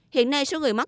hiện nay số người mắc